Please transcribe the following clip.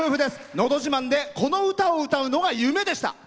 「のど自慢」でこの歌を歌うのが夢でした。